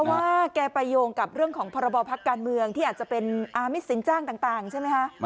ว่าแกไปโยงกับเรื่องของพรบพักการเมืองที่อาจจะเป็นอามิตสินจ้างต่างใช่ไหมคะ